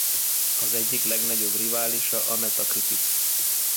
Az egyik legnagyobb riválisa a Metacritic.